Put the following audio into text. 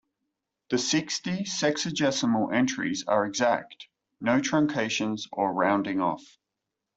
The sixty sexigesimal entries are exact, no truncations or rounding off.